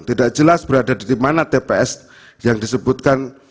tidak jelas berada di mana tps yang disebutkan